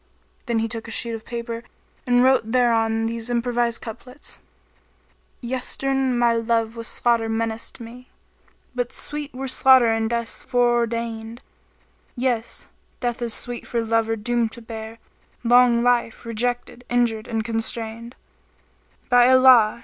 Then he took a sheet of paper and wrote thereon these improvised couplets, "Yestre'en my love with slaughter menaced me, * But sweet were slaughter and Death's foreordainčd: Yes, Death is sweet for lover doomed to bear * Long life, rejected, injured and constrainčd: By Allah!